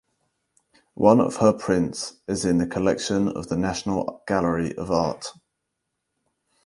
One of her prints is in the collection of the National Gallery of Art.